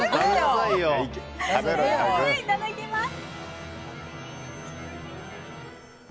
いただきます。